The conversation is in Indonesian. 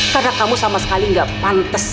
karena kamu sama sekali gak pantas